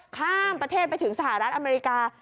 ข้ามประเทศไปถึงสหรัฐอเมริกา